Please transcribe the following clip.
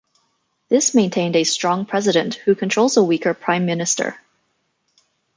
This maintained a strong President, who controls a weaker Prime Minister.